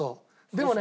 でもね。